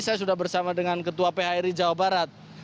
saya sudah bersama dengan ketua phri jawa barat